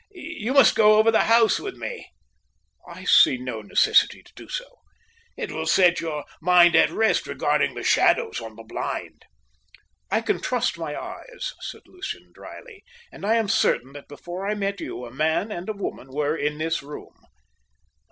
You must go over the house with me." "I see no necessity to do so." "It will set your mind at rest regarding the shadows on the blind." "I can trust my eyes," said Lucian, drily, "and I am certain that before I met you a man and a woman were in this room."